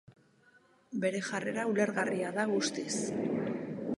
Bere jarrera ulergarria da, guztiz.